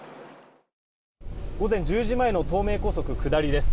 午前１０時前の東名高速下りです。